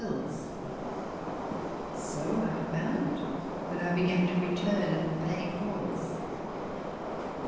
G. Wells. So I found when I began to return and pay calls.